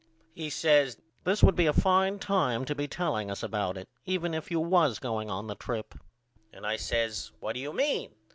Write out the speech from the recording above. He says This would be a fine time to be telling us about it even if you was going on the trip. And I says What do you mean?